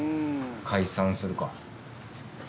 解散するか？